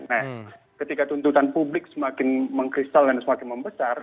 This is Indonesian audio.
nah ketika tuntutan publik semakin mengkristal dan semakin membesar